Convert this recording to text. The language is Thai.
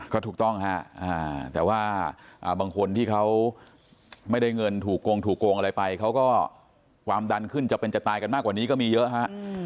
ก็ถูกต้องฮะแต่ว่าบางคนที่เขาไม่ได้เงินถูกโกงถูกโกงอะไรไปเขาก็ความดันขึ้นจะเป็นจะตายกันมากกว่านี้ก็มีเยอะฮะ